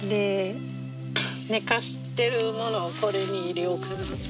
寝かしてるものをこれに入れようかなって。